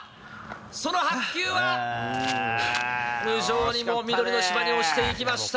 その白球は、無情にも緑の芝に落ちていきました。